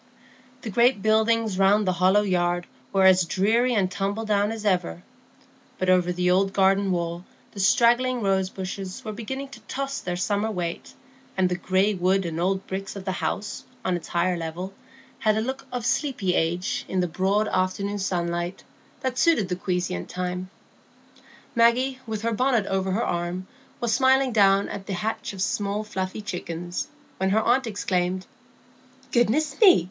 The great buildings round the hollow yard were as dreary and tumbledown as ever, but over the old garden wall the straggling rose bushes were beginning to toss their summer weight, and the gray wood and old bricks of the house, on its higher level, had a look of sleepy age in the broad afternoon sunlight, that suited the quiescent time. Maggie, with her bonnet over her arm, was smiling down at the hatch of small fluffy chickens, when her aunt exclaimed,— "Goodness me!